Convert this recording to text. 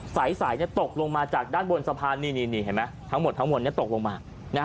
สายตกลงมาจากด้านบนสะพานนี่เห็นไหมทั้งหมดทั้งหมดตกลงมา